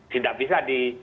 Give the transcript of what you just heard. tidak bisa di